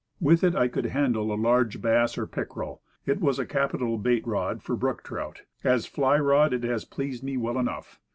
With it I could handle a large bass or pickerel; it was a capital bait rod for brook trout; as a fly rod it has pleased me well enough.